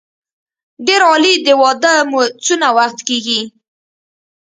ډېر عالي د واده مو څونه وخت کېږي.